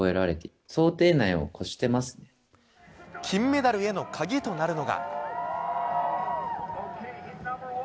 金メダルへの鍵となるのが。